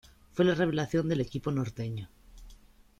Fue la revelación del equipo norteño.